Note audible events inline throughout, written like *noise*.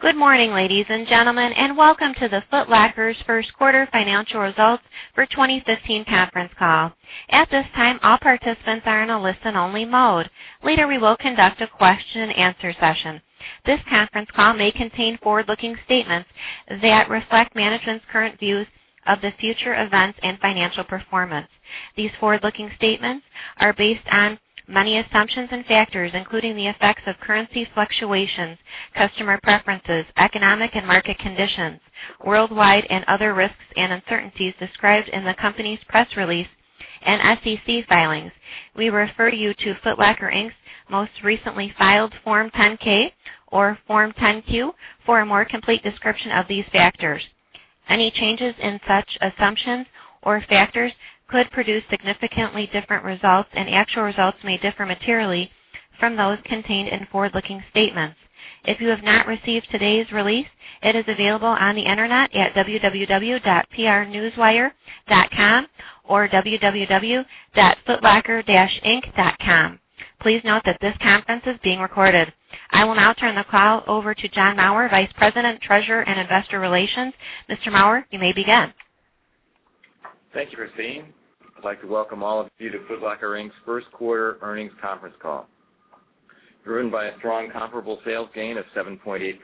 Good morning, ladies and gentlemen, and welcome to the Foot Locker's first quarter financial results for 2015 conference call. At this time, all participants are in a listen-only mode. Later, we will conduct a question and answer session. This conference call may contain forward-looking statements that reflect management's current views of the future events and financial performance. These forward-looking statements are based on many assumptions and factors, including the effects of currency fluctuations, customer preferences, economic and market conditions worldwide, and other risks and uncertainties described in the company's press release and SEC filings. We refer you to Foot Locker, Inc.'s most recently filed Form 10-K or Form 10-Q for a more complete description of these factors. Any changes in such assumptions or factors could produce significantly different results, and actual results may differ materially from those contained in forward-looking statements. If you have not received today's release, it is available on the internet at www.prnewswire.com or www.footlocker-inc.com. Please note that this conference is being recorded. I will now turn the call over to John Maurer, Vice President, Treasurer, and Investor Relations. Mr. Maurer, you may begin. Thank you, Christine. I'd like to welcome all of you to Foot Locker, Inc.'s first quarter earnings conference call. Driven by a strong comparable sales gain of 7.8%,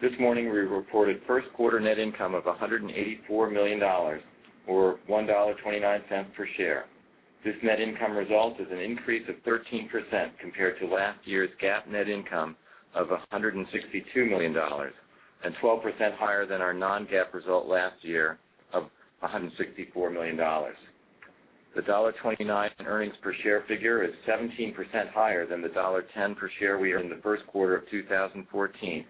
this morning, we reported first quarter net income of $184 million, or $1.29 per share. This net income result is an increase of 13% compared to last year's GAAP net income of $162 million and 12% higher than our non-GAAP result last year of $164 million. The $1.29 earnings per share figure is 17% higher than the $1.10 per share we earned in the first quarter of 2014.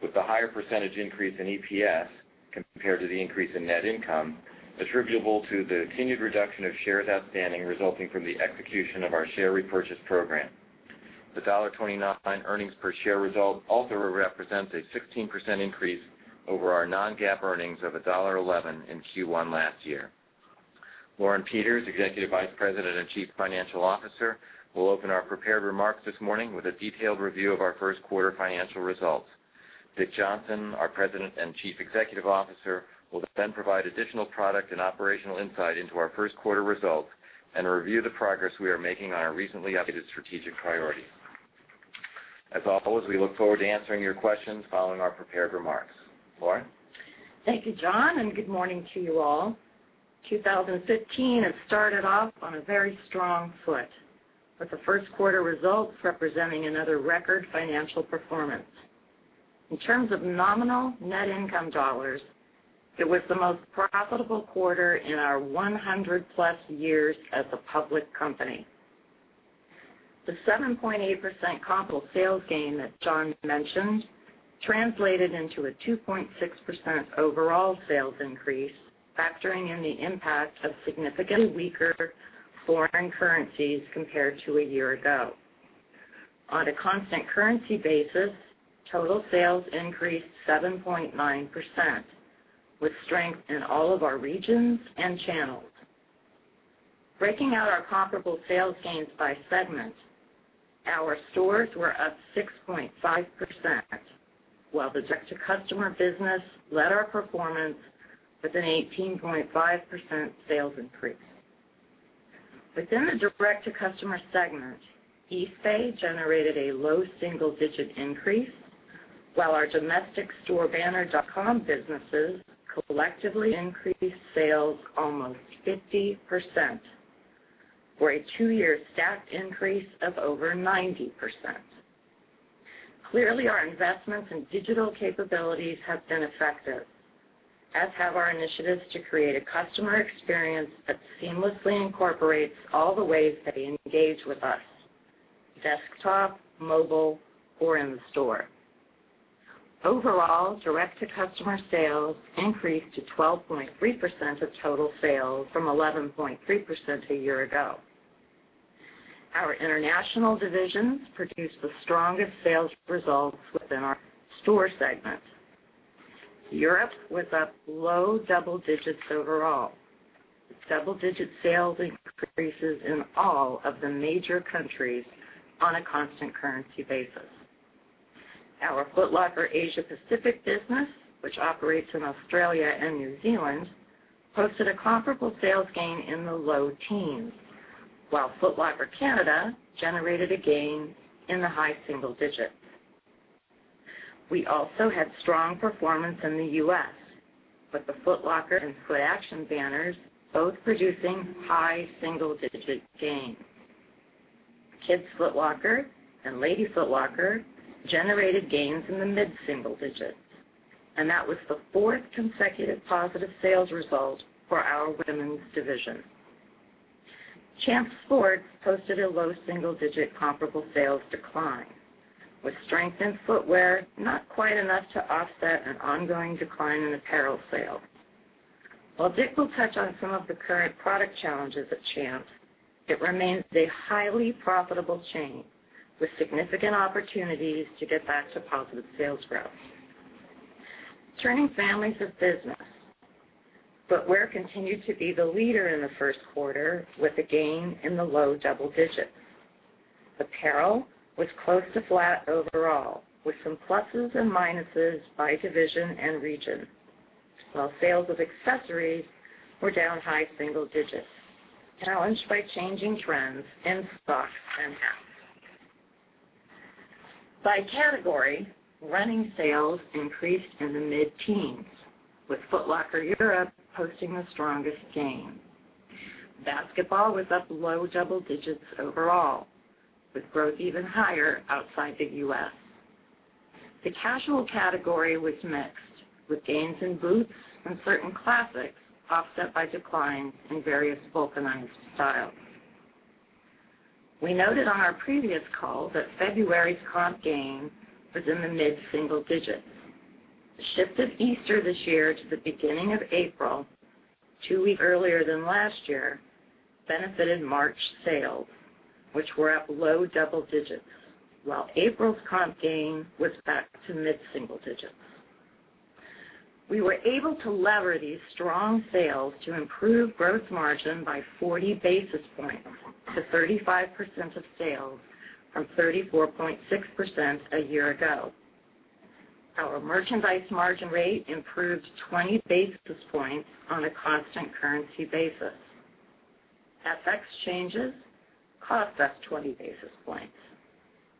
With the higher percentage increase in EPS compared to the increase in net income attributable to the continued reduction of shares outstanding resulting from the execution of our share repurchase program. The $1.29 earnings per share result also represents a 16% increase over our non-GAAP earnings of $1.11 in Q1 last year. Lauren Peters, Executive Vice President and Chief Financial Officer, will open our prepared remarks this morning with a detailed review of our first quarter financial results. Richard Johnson, our President and Chief Executive Officer, will then provide additional product and operational insight into our first quarter results and review the progress we are making on our recently updated strategic priorities. As always, we look forward to answering your questions following our prepared remarks. Lauren? Thank you, John, and good morning to you all. 2015 has started off on a very strong foot, with the first quarter results representing another record financial performance. In terms of nominal net income dollars, it was the most profitable quarter in our 100-plus years as a public company. The 7.8% comparable sales gain that John mentioned translated into a 2.6% overall sales increase, factoring in the impact of significantly weaker foreign currencies compared to a year ago. On a constant currency basis, total sales increased 7.9%, with strength in all of our regions and channels. Breaking out our comparable sales gains by segment, our stores were up 6.5%, while the direct-to-customer business led our performance with an 18.5% sales increase. Within the direct-to-customer segment, eBay generated a low single-digit increase, while our domestic store banner.com businesses collectively increased sales almost 50%, or a two-year stacked increase of over 90%. Clearly, our investments in digital capabilities have been effective, as have our initiatives to create a customer experience that seamlessly incorporates all the ways that they engage with us, desktop, mobile, or in the store. Overall, direct-to-customer sales increased to 12.3% of total sales from 11.3% a year ago. Our international divisions produced the strongest sales results within our store segments. Europe was up low double digits overall, with double-digit sales increases in all of the major countries on a constant currency basis. Our Foot Locker Asia Pacific business, which operates in Australia and New Zealand, posted a comparable sales gain in the low teens, while Foot Locker Canada generated a gain in the high single digits. We also had strong performance in the U.S., with the Foot Locker and Footaction banners both producing high single-digit gains. Kids Foot Locker and Lady Foot Locker generated gains in the mid-single digits, and that was the fourth consecutive positive sales result for our women's division. Champs Sports posted a low single-digit comparable sales decline, with strength in footwear not quite enough to offset an ongoing decline in apparel sales. While Dick will touch on some of the current product challenges at Champs, it remains a highly profitable chain with significant opportunities to get back to positive sales growth. Turning families of business. Footwear continued to be the leader in the first quarter with a gain in the low double digits. Apparel was close to flat overall, with some pluses and minuses by division and region. While sales of accessories were down high single digits, challenged by changing trends in socks. *audio distortion* By category, running sales increased in the mid-teens, with Foot Locker Europe posting the strongest gain. Basketball was up low double digits overall, with growth even higher outside the U.S. The casual category was mixed, with gains in boots and certain classics offset by declines in various vulcanized styles. We noted on our previous call that February's comp gain was in the mid-single digits. The shift of Easter this year to the beginning of April, two weeks earlier than last year, benefited March sales, which were up low double digits, while April's comp gain was back to mid-single digits. We were able to lever these strong sales to improve gross margin by 40 basis points to 35% of sales from 34.6% a year ago. Our merchandise margin rate improved 20 basis points on a constant currency basis. FX changes cost us 20 basis points,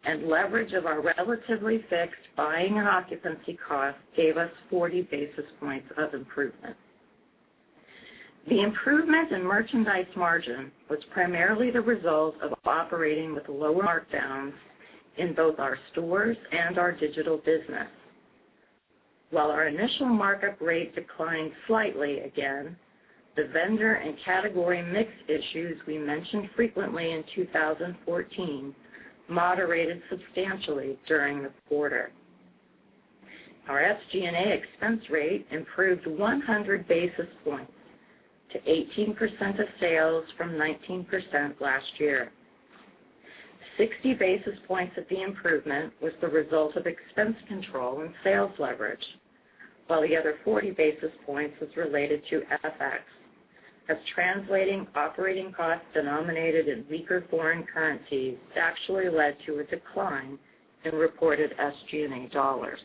and leverage of our relatively fixed buying and occupancy costs gave us 40 basis points of improvement. The improvement in merchandise margin was primarily the result of operating with lower markdowns in both our stores and our digital business. While our initial markup rate declined slightly again, the vendor and category mix issues we mentioned frequently in 2014 moderated substantially during the quarter. Our SG&A expense rate improved 100 basis points to 18% of sales from 19% last year. 60 basis points of the improvement was the result of expense control and sales leverage. While the other 40 basis points was related to FX, as translating operating costs denominated in weaker foreign currencies actually led to a decline in reported SG&A dollars.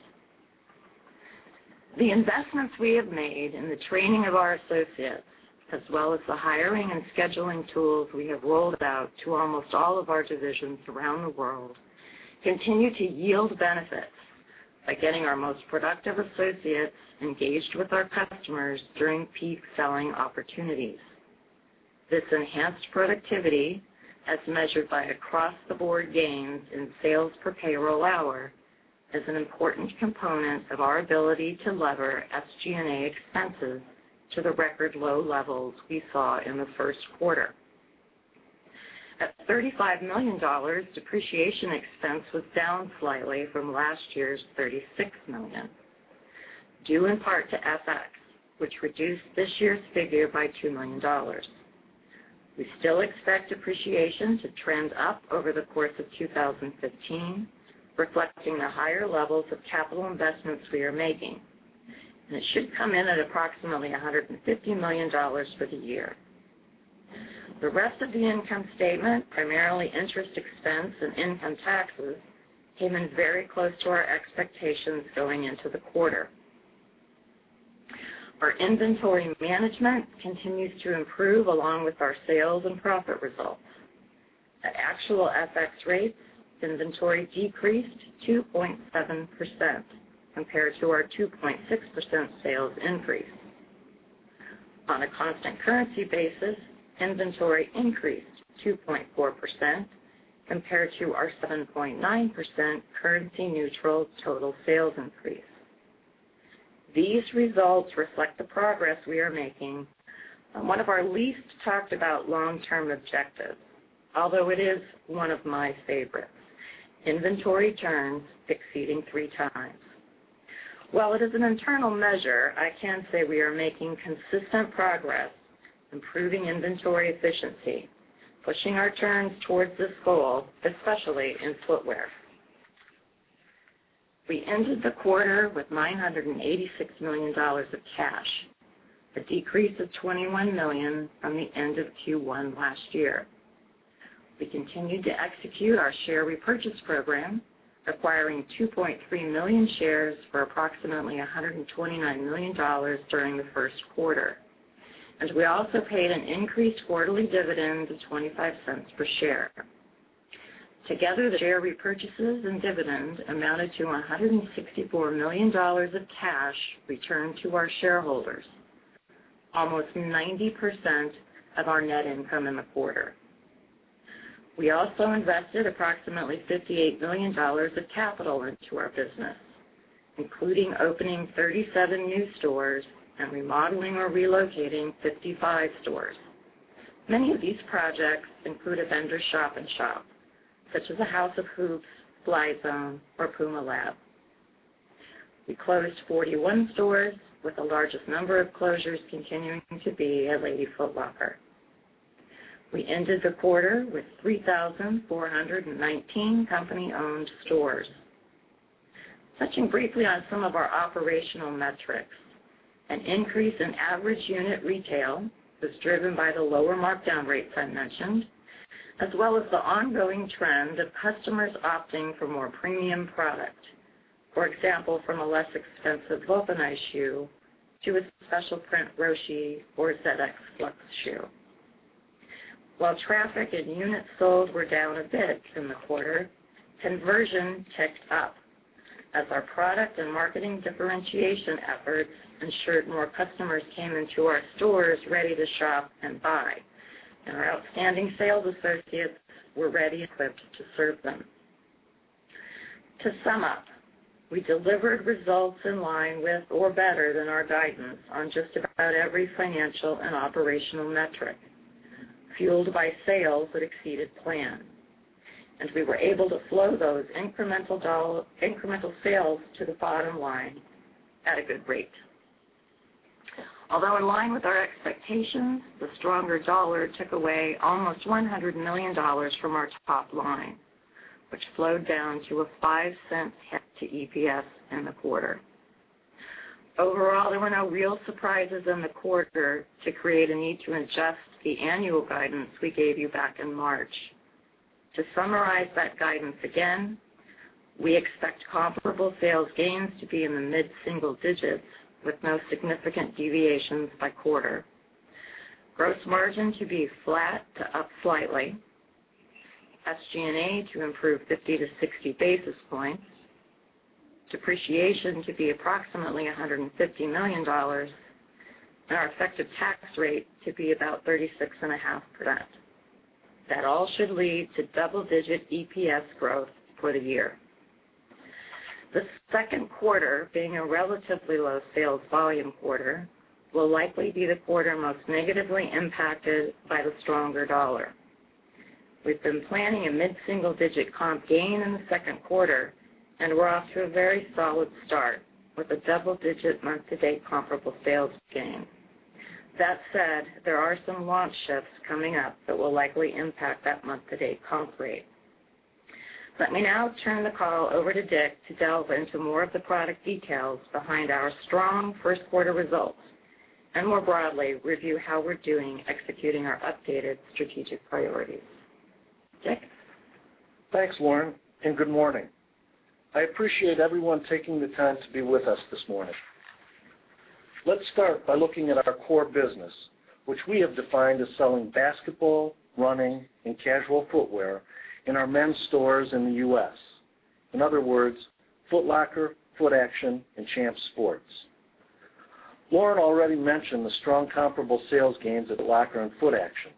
The investments we have made in the training of our associates, as well as the hiring and scheduling tools we have rolled out to almost all of our divisions around the world, continue to yield benefits by getting our most productive associates engaged with our customers during peak selling opportunities. This enhanced productivity, as measured by across-the-board gains in sales per payroll hour, is an important component of our ability to lever SG&A expenses to the record low levels we saw in the first quarter. At $35 million, depreciation expense was down slightly from last year's $36 million, due in part to FX, which reduced this year's figure by $2 million. We still expect depreciation to trend up over the course of 2015, reflecting the higher levels of capital investments we are making. It should come in at approximately $150 million for the year. The rest of the income statement, primarily interest expense and income taxes, came in very close to our expectations going into the quarter. Our inventory management continues to improve along with our sales and profit results. At actual FX rates, inventory decreased 2.7%, compared to our 2.6% sales increase. On a constant currency basis, inventory increased 2.4%, compared to our 7.9% currency-neutral total sales increase. These results reflect the progress we are making on one of our least talked about long-term objectives, although it is one of my favorites, inventory turns exceeding three times. While it is an internal measure, I can say we are making consistent progress improving inventory efficiency, pushing our turns towards this goal, especially in footwear. We ended the quarter with $986 million of cash, a decrease of $21 million from the end of Q1 last year. We continued to execute our share repurchase program, acquiring 2.3 million shares for approximately $129 million during the first quarter. We also paid an increased quarterly dividend of $0.25 per share. Together, the share repurchases and dividends amounted to $164 million of cash returned to our shareholders, almost 90% of our net income in the quarter. We also invested approximately $58 million of capital into our business, including opening 37 new stores and remodeling or relocating 55 stores. Many of these projects include a vendor shop-in-shop, such as a House of Hoops, Flyzone, or PUMA Lab. We closed 41 stores, with the largest number of closures continuing to be at Lady Foot Locker. We ended the quarter with 3,419 company-owned stores. Touching briefly on some of our operational metrics. An increase in average unit retail was driven by the lower markdown rates I mentioned, as well as the ongoing trend of customers opting for more premium product. For example, from a less expensive vulcanized shoe to a special print Roshe or ZX Flux shoe. While traffic and units sold were down a bit in the quarter, conversion ticked up as our product and marketing differentiation efforts ensured more customers came into our stores ready to shop and buy, and our outstanding sales associates were ready equipped to serve them. To sum up, we delivered results in line with or better than our guidance on just about every financial and operational metric, fueled by sales that exceeded plan. We were able to flow those incremental sales to the bottom line at a good rate. Although in line with our expectations, the stronger dollar took away almost $100 million from our top line, which flowed down to a $0.05 hit to EPS in the quarter. Overall, there were no real surprises in the quarter to create a need to adjust the annual guidance we gave you back in March. To summarize that guidance again, we expect comparable sales gains to be in the mid-single digits with no significant deviations by quarter. Gross margin to be flat to up slightly. SG&A to improve 50 to 60 basis points. Depreciation to be approximately $150 million. Our effective tax rate to be about 36.5%. That all should lead to double-digit EPS growth for the year. The second quarter, being a relatively low sales volume quarter, will likely be the quarter most negatively impacted by the stronger dollar. We've been planning a mid-single-digit comp gain in the second quarter, and we're off to a very solid start with a double-digit month-to-date comparable sales gain. That said, there are some launch shifts coming up that will likely impact that month-to-date comp rate. Let me now turn the call over to Dick to delve into more of the product details behind our strong first quarter results, and more broadly, review how we're doing executing our updated strategic priorities. Dick? Thanks, Lauren. Good morning. I appreciate everyone taking the time to be with us this morning. Let's start by looking at our core business, which we have defined as selling basketball, running, and casual footwear in our men's stores in the U.S. In other words, Foot Locker, Footaction, and Champs Sports. Lauren already mentioned the strong comparable sales gains at Locker and Footaction,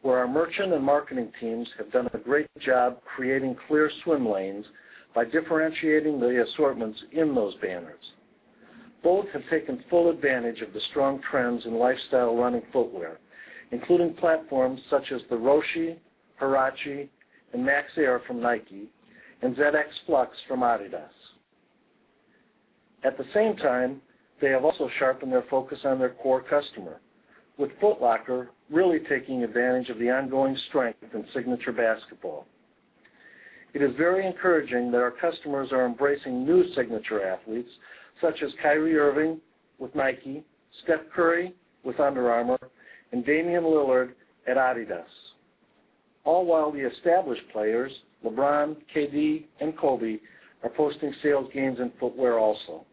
where our merchant and marketing teams have done a great job creating clear swim lanes by differentiating the assortments in those banners. Both have taken full advantage of the strong trends in lifestyle running footwear, including platforms such as the Roshe, Huarache, and Max Air from Nike and ZX Flux from adidas. At the same time, they have also sharpened their focus on their core customer, with Foot Locker really taking advantage of the ongoing strength in signature basketball. It is very encouraging that our customers are embracing new signature athletes such as Kyrie Irving with Nike, Steph Curry with Under Armour, and Damian Lillard at adidas. All while the established players, LeBron, KD, and Kobe, are posting sales gains in footwear also.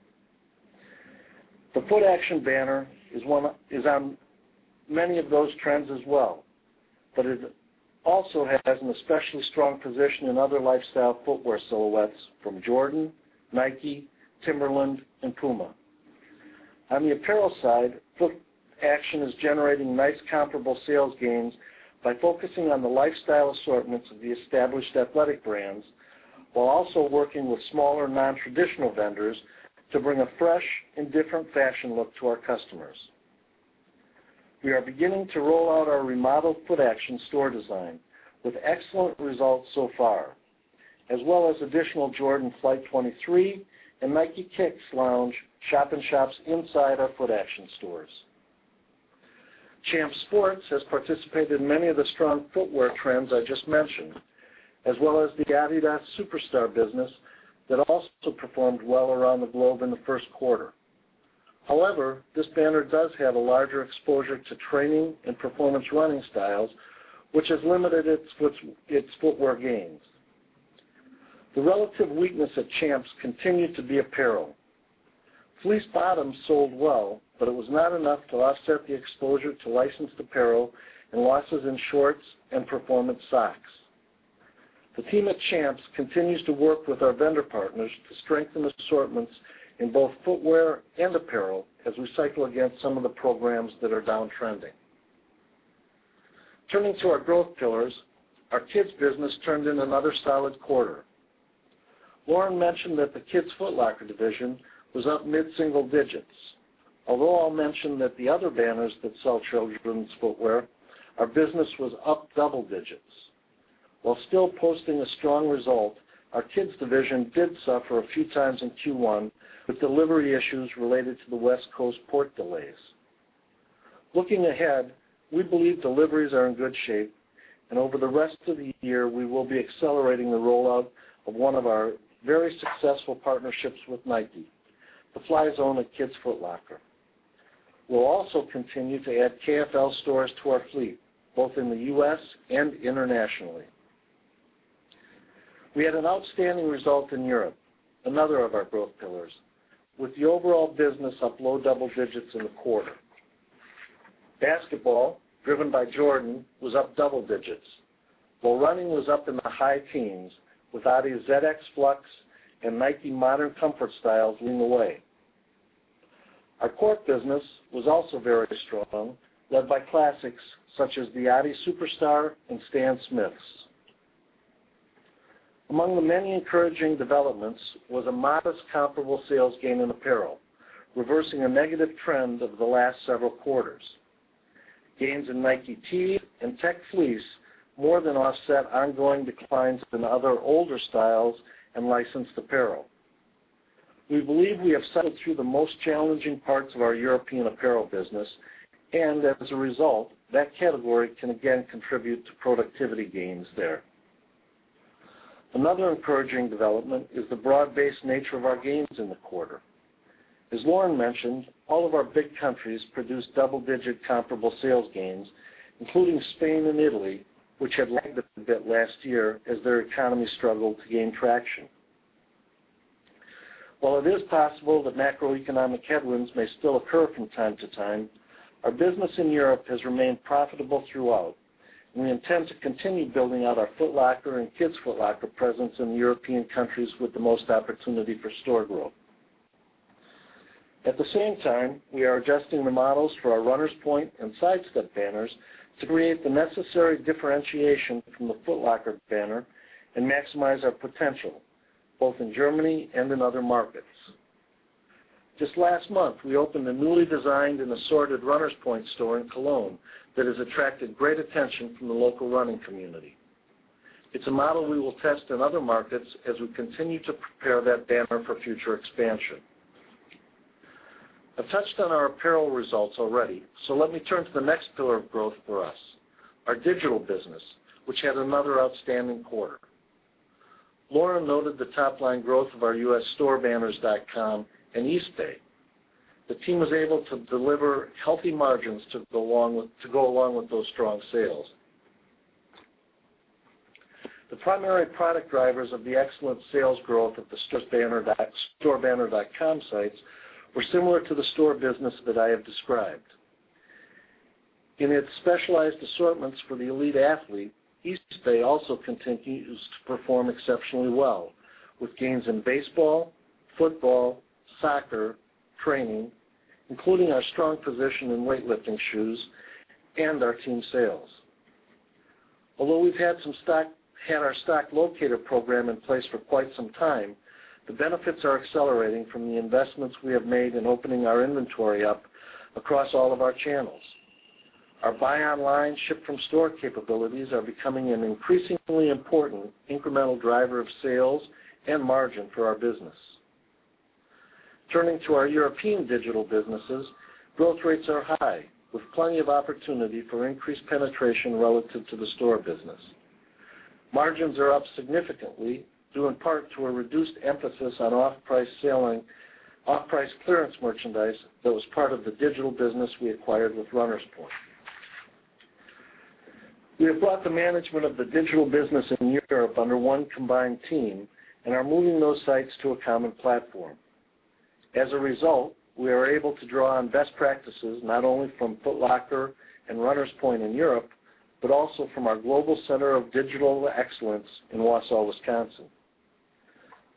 The Footaction banner is on many of those trends as well, but it also has an especially strong position in other lifestyle footwear silhouettes from Jordan, Nike, Timberland, and Puma. On the apparel side, Footaction is generating nice comparable sales gains by focusing on the lifestyle assortments of the established athletic brands, while also working with smaller, non-traditional vendors to bring a fresh and different fashion look to our customers. We are beginning to roll out our remodeled Footaction store design with excellent results so far, as well as additional Jordan Flight 23 and Nike Kicks Lounge shop-in-shops inside our Footaction stores. Champs Sports has participated in many of the strong footwear trends I just mentioned, as well as the adidas Superstar business that also performed well around the globe in the first quarter. This banner does have a larger exposure to training and performance running styles, which has limited its footwear gains. The relative weakness at Champs continued to be apparel. Fleece bottoms sold well, but it was not enough to offset the exposure to licensed apparel and losses in shorts and performance socks. The team at Champs continues to work with our vendor partners to strengthen assortments in both footwear and apparel as we cycle against some of the programs that are downtrending. Turning to our growth pillars, our kids business turned in another solid quarter. Lauren mentioned that the Kids Foot Locker division was up mid-single digits. I'll mention that the other banners that sell children's footwear, our business was up double digits. While still posting a strong result, our Kids division did suffer a few times in Q1 with delivery issues related to the West Coast port delays. Looking ahead, we believe deliveries are in good shape, and over the rest of the year, we will be accelerating the rollout of one of our very successful partnerships with Nike, the Fly Zone at Kids Foot Locker. We'll also continue to add KFL stores to our fleet, both in the U.S. and internationally. We had an outstanding result in Europe, another of our growth pillars. With the overall business up low double digits in the quarter. Basketball, driven by Jordan, was up double digits, while running was up in the high teens with adidas ZX Flux and Nike modern comfort styles leading the way. Our court business was also very strong, led by classics such as the adidas Superstar and Stan Smiths. Among the many encouraging developments was a modest comparable sales gain in apparel, reversing a negative trend over the last several quarters. Gains in Nike tees and tech fleece more than offset ongoing declines in other older styles and licensed apparel. We believe we have settled through the most challenging parts of our European apparel business, and as a result, that category can again contribute to productivity gains there. Another encouraging development is the broad-based nature of our gains in the quarter. As Lauren mentioned, all of our big countries produced double-digit comparable sales gains, including Spain and Italy, which had lagged a bit last year as their economy struggled to gain traction. While it is possible that macroeconomic headwinds may still occur from time to time, our business in Europe has remained profitable throughout. We intend to continue building out our Foot Locker and Kids Foot Locker presence in the European countries with the most opportunity for store growth. At the same time, we are adjusting the models for our Runners Point and Sidestep banners to create the necessary differentiation from the Foot Locker banner and maximize our potential, both in Germany and in other markets. Just last month, we opened a newly designed and assorted Runners Point store in Cologne that has attracted great attention from the local running community. It's a model we will test in other markets as we continue to prepare that banner for future expansion. I've touched on our apparel results already. Let me turn to the next pillar of growth for us, our digital business, which had another outstanding quarter. Lauren noted the top-line growth of our U.S. store banners .com and Eastbay. The team was able to deliver healthy margins to go along with those strong sales. The primary product drivers of the excellent sales growth of the store banner.com sites were similar to the store business that I have described. In its specialized assortments for the elite athlete, Eastbay also continues to perform exceptionally well with gains in baseball, football, soccer, training, including our strong position in weightlifting shoes and our team sales. Although we've had our stock locator program in place for quite some time, the benefits are accelerating from the investments we have made in opening our inventory up across all of our channels. Our buy online, ship from store capabilities are becoming an increasingly important incremental driver of sales and margin for our business. Turning to our European digital businesses, growth rates are high, with plenty of opportunity for increased penetration relative to the store business. Margins are up significantly, due in part to a reduced emphasis on off-price clearance merchandise that was part of the digital business we acquired with Runners Point. We have brought the management of the digital business in Europe under one combined team and are moving those sites to a common platform. As a result, we are able to draw on best practices not only from Foot Locker and Runners Point in Europe, but also from our global center of digital excellence in Wausau, Wisconsin.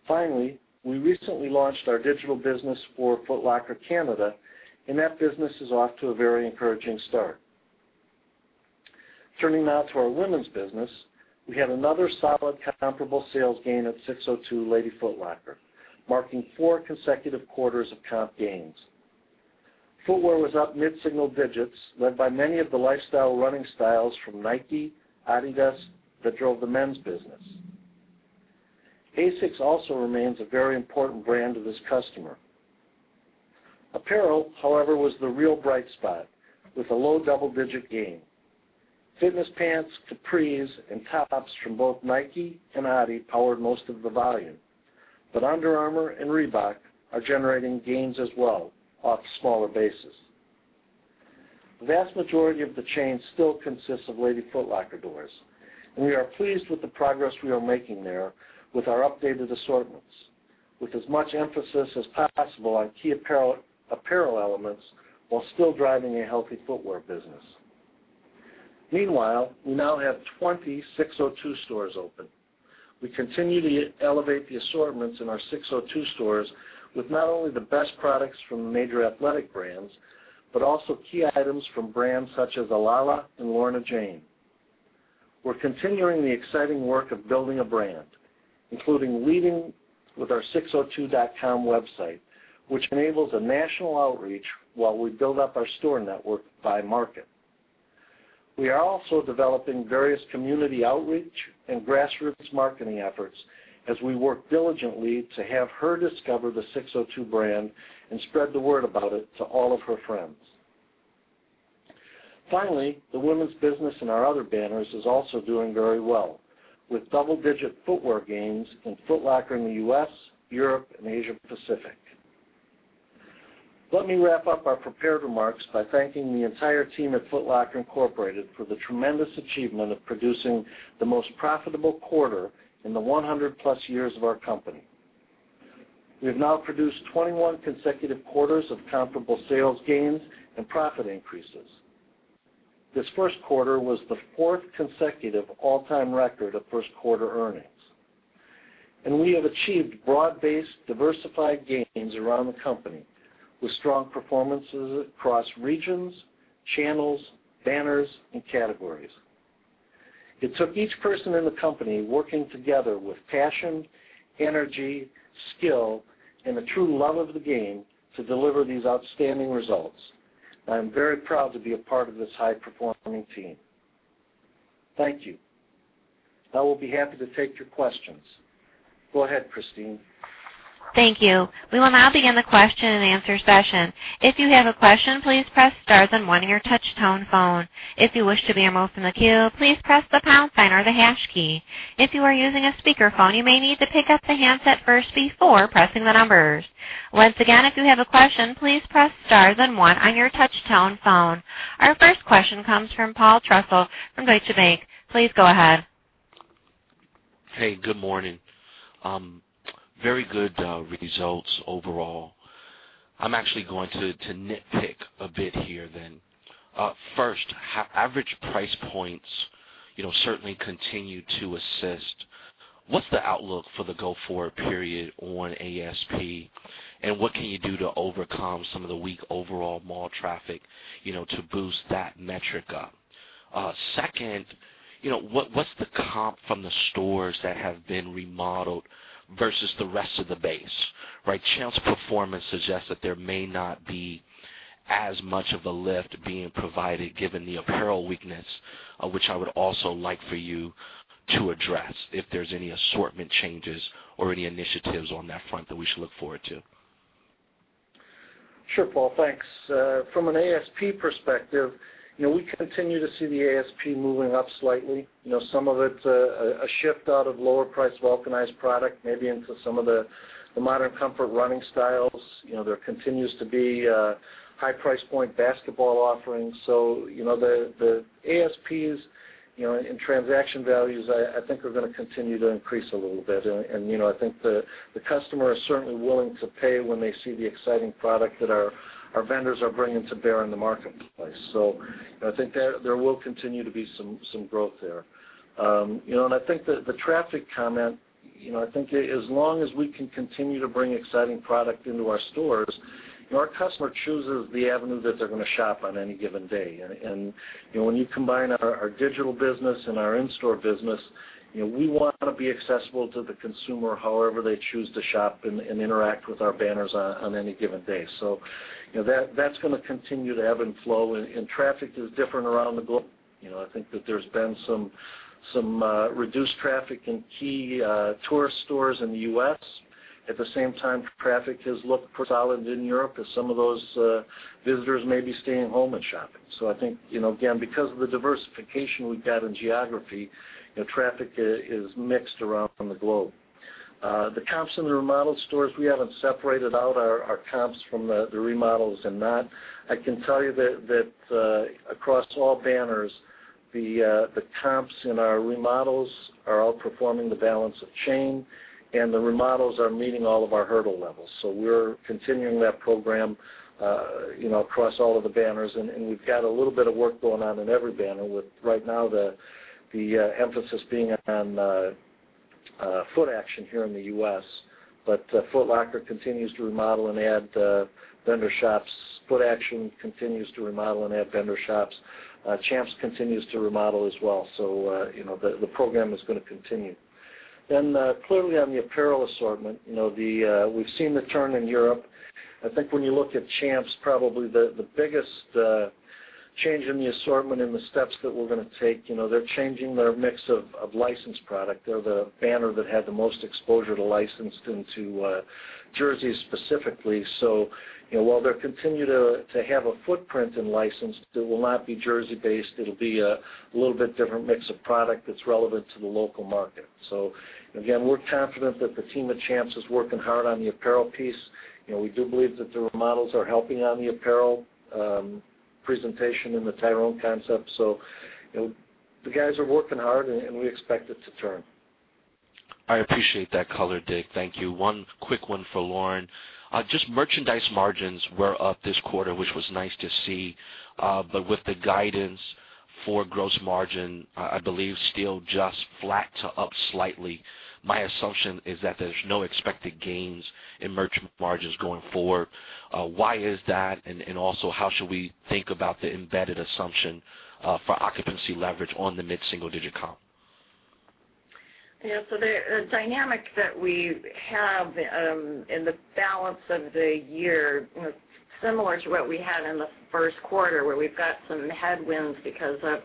Finally, we recently launched our digital business for Foot Locker Canada, and that business is off to a very encouraging start. Turning now to our women's business, we had another solid comparable sales gain at SIX:02 Lady Foot Locker, marking four consecutive quarters of comp gains. Footwear was up mid-single digits, led by many of the lifestyle running styles from Nike, adidas, that drove the men's business. ASICS also remains a very important brand to this customer. Apparel, however, was the real bright spot with a low double-digit gain. Fitness pants, capris, and tops from both Nike and adidas powered most of the volume. Under Armour and Reebok are generating gains as well, off smaller bases. The vast majority of the chain still consists of Lady Foot Locker doors. We are pleased with the progress we are making there with our updated assortments. With as much emphasis as possible on key apparel elements while still driving a healthy footwear business. Meanwhile, we now have 20 SIX:02 stores open. We continue to elevate the assortments in our SIX:02 stores with not only the best products from the major athletic brands, but also key items from brands such as Alala and Lorna Jane. We are continuing the exciting work of building a brand. Including leading with our six02.com website, which enables a national outreach while we build up our store network by market. We are also developing various community outreach and grassroots marketing efforts as we work diligently to have her discover the SIX:02 brand and spread the word about it to all of her friends. Finally, the women's business in our other banners is also doing very well, with double-digit footwear gains in Foot Locker in the U.S., Europe, and Asia Pacific. Let me wrap up our prepared remarks by thanking the entire team at Foot Locker Incorporated for the tremendous achievement of producing the most profitable quarter in the 100-plus years of our company. We have now produced 21 consecutive quarters of comparable sales gains and profit increases. This first quarter was the fourth consecutive all-time record of first quarter earnings. And we have achieved broad-based diversified gains around the company with strong performances across regions, channels, banners, and categories. It took each person in the company working together with passion, energy, skill, and a true love of the game to deliver these outstanding results. I am very proud to be a part of this high-performing team. Thank you. I will be happy to take your questions. Go ahead, Christine. Thank you. We will now begin the question and answer session. If you have a question, please press star then one on your touchtone phone. If you wish to be removed from the queue, please press the pound sign or the hash key. If you are using a speakerphone, you may need to pick up the handset first before pressing the numbers. Once again, if you have a question, please press star then one on your touchtone phone. Our first question comes from Paul Trussell from Deutsche Bank. Please go ahead. Hey, good morning. Very good results overall. I am actually going to nitpick a bit here then. First, average price points certainly continue to assist. What's the outlook for the go forward period on ASP, and what can you do to overcome some of the weak overall mall traffic to boost that metric up? Second, what's the comp from the stores that have been remodeled versus the rest of the base, right? Champs performance suggests that there may not be as much of a lift being provided given the apparel weakness, which I would also like for you to address if there's any assortment changes or any initiatives on that front that we should look forward to. Sure, Paul, thanks. From an ASP perspective, we continue to see the ASP moving up slightly. Some of it's a shift out of lower priced vulcanized product, maybe into some of the modern comfort running styles. There continues to be high price point basketball offerings. The ASPs in transaction values, I think are going to continue to increase a little bit. I think the customer is certainly willing to pay when they see the exciting product that our vendors are bringing to bear in the marketplace. I think there will continue to be some growth there. I think the traffic comment, I think as long as we can continue to bring exciting product into our stores, our customer chooses the avenue that they're going to shop on any given day. When you combine our digital business and our in-store business, we want to be accessible to the consumer however they choose to shop and interact with our banners on any given day. That's going to continue to ebb and flow, and traffic is different around the globe. I think that there's been some reduced traffic in key tourist stores in the U.S. At the same time, traffic has looked pretty solid in Europe as some of those visitors may be staying home and shopping. I think, again, because of the diversification we've got in geography, traffic is mixed around the globe. The comps in the remodeled stores, we haven't separated out our comps from the remodels and not. I can tell you that across all banners, the comps in our remodels are outperforming the balance of chain, and the remodels are meeting all of our hurdle levels. We're continuing that program across all of the banners, and we've got a little bit of work going on in every banner with right now the emphasis being on Footaction here in the U.S. Foot Locker continues to remodel and add vendor shops. Footaction continues to remodel and add vendor shops. Champs continues to remodel as well. The program is going to continue. Clearly on the apparel assortment, we've seen the turn in Europe. I think when you look at Champs, probably the biggest change in the assortment and the steps that we're going to take, they're changing their mix of licensed product. They're the banner that had the most exposure to licensed into jerseys specifically. While they continue to have a footprint in licensed, it will not be jersey based. It'll be a little bit different mix of product that's relevant to the local market. Again, we're confident that the team at Champs is working hard on the apparel piece. We do believe that the remodels are helping on the apparel presentation in the Tyrone Square concept. The guys are working hard, and we expect it to turn. I appreciate that color, Dick. Thank you. One quick one for Lauren. Just merchandise margins were up this quarter, which was nice to see. With the guidance for gross margin, I believe still just flat to up slightly. My assumption is that there's no expected gains in merchandise margins going forward. Why is that? Also, how should we think about the embedded assumption for occupancy leverage on the mid single-digit comp? The dynamic that we have in the balance of the year, similar to what we had in the first quarter, where we've got some headwinds because of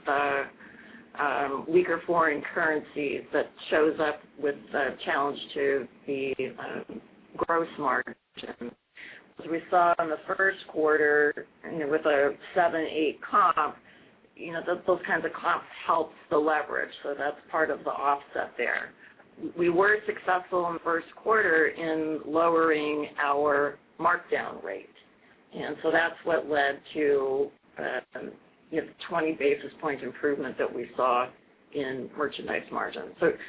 the weaker foreign currencies that shows up with the challenge to the gross margin. As we saw in the first quarter with a 7.8 comp, those kinds of comps help the leverage. That's part of the offset there. We were successful in the first quarter in lowering our markdown rate, that's what led to the 20 basis point improvement that we saw in merchandise margin. Those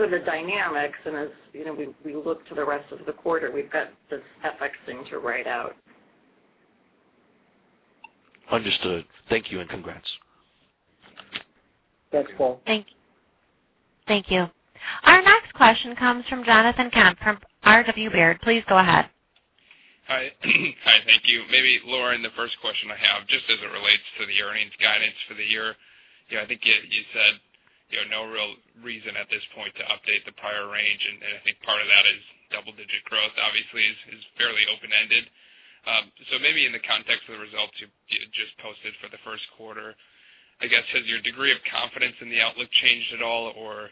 are the dynamics, as we look to the rest of the quarter, we've got this FX thing to ride out. Understood. Thank you, and congrats. Thanks, Paul. Thank you. Our next question comes from Jonathan Komp from R.W. Baird. Please go ahead. Hi. Thank you. Maybe, Lauren, the first question I have, just as it relates to the earnings guidance for the year. I think you said no real reason at this point to update the prior range, and I think part of that is double-digit growth, obviously, is fairly open-ended. Maybe in the context of the results you just posted for the first quarter, I guess, has your degree of confidence in the outlook changed at all, or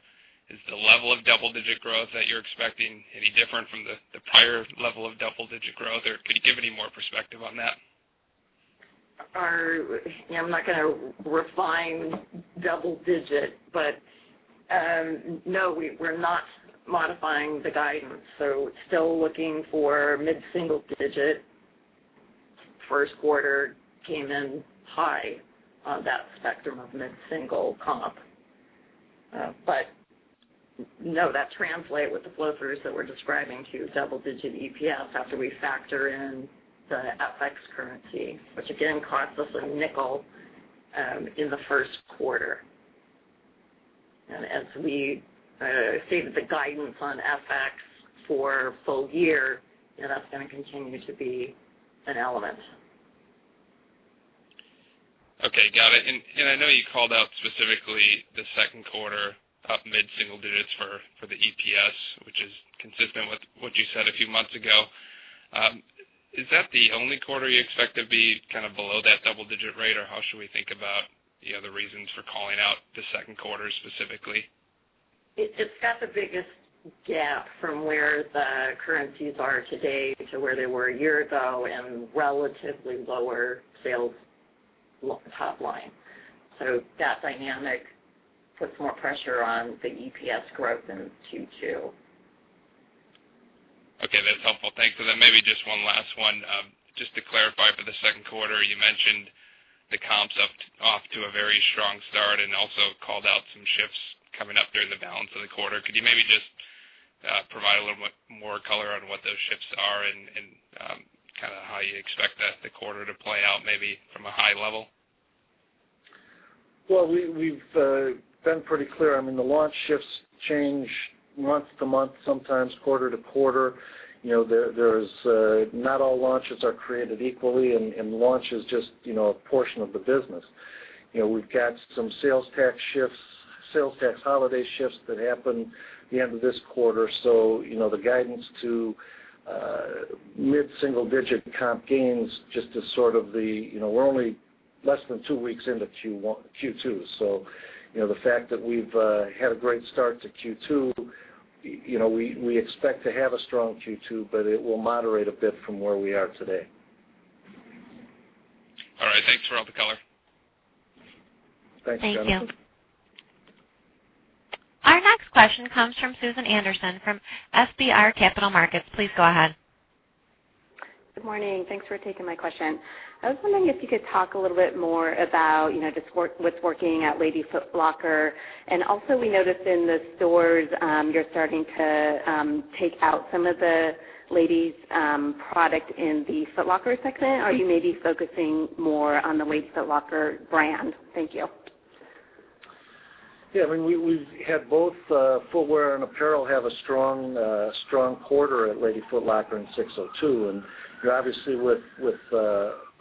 is the level of double-digit growth that you're expecting any different from the prior level of double-digit growth, or could you give any more perspective on that? I'm not going to refine double digit, but, no, we're not modifying the guidance, so still looking for mid-single digit. First quarter came in high on that spectrum of mid-single comp. No, that translate with the flow-throughs that we're describing to double-digit EPS after we factor in the FX currency, which again cost us $0.05 in the first quarter. As we stated, the guidance on FX for full year, that's going to continue to be an element. Okay, got it. I know you called out specifically the second quarter up mid-single digits for the EPS, which is consistent with what you said a few months ago. Is that the only quarter you expect to be below that double-digit rate, or how should we think about the reasons for calling out the second quarter specifically? It's got the biggest gap from where the currencies are today to where they were a year ago and relatively lower sales top line. That dynamic puts more pressure on the EPS growth in Q2. Okay, that's helpful. Thanks. Maybe just one last one. Just to clarify for the second quarter, you mentioned the comps off to a very strong start and also called out some shifts coming up during the balance of the quarter. Could you maybe just provide a little bit more color on what those shifts are and how you expect the quarter to play out, maybe from a high level? Well, we've been pretty clear. I mean, the launch shifts change month-to-month, sometimes quarter-to-quarter. Not all launches are created equally, and launch is just a portion of the business. We've got some sales tax shifts, sales tax holiday shifts that happen at the end of this quarter. The guidance to mid-single-digit comp gains, we're only less than two weeks into Q2. The fact that we've had a great start to Q2, we expect to have a strong Q2, but it will moderate a bit from where we are today. All right. Thanks for all the color. Thanks, Jonathan. Thank you. Our next question comes from Susan Anderson from FBR Capital Markets. Please go ahead. Good morning. Thanks for taking my question. Also, we noticed in the stores, you're starting to take out some of the ladies product in the Foot Locker segment. Are you maybe focusing more on the Lady Foot Locker brand? Thank you. Yeah. We've had both footwear and apparel have a strong quarter at Lady Foot Locker and SIX:02, and obviously with